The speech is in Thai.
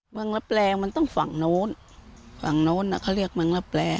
เมืองรับแรงมันต้องฝั่งโน้นฝั่งโน้นอ่ะเขาเรียกเมืองรับแรง